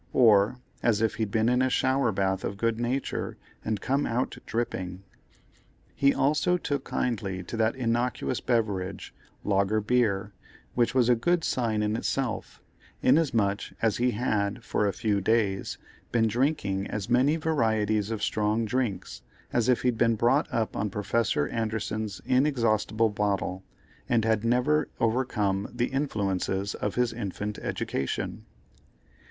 Or, as if he'd been in a shower bath of good nature, and come out dripping. He also took kindly to that innocuous beverage, lager bier, which was a good sign in itself, inasmuch as he had, for a few days, been drinking as many varieties of strong drinks, as if he'd been brought up on Professor Anderson's Inexhaustible Bottle, and had never overcome the influences of his infant education.